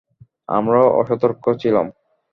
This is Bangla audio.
আমরা অসতর্ক ছিলাম।